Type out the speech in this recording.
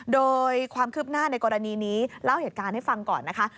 โดยความคืบหน้าในกรณีนี้เล่าเหตุการณ์ให้ฟังก่อนนะคะ